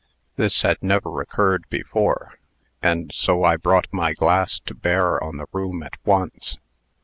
This had never occurred before, and so I brought my glass to bear on the room at once.